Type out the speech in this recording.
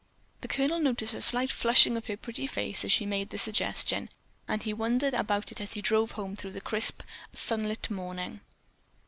The Colonel noticed a slight flushing of her pretty face as she made the suggestion, and he wondered about it as he drove home through the crisp, sunlit morning.